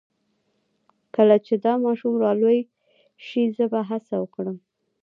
کله چې دا ماشوم را لوی شي زه به هڅه وکړم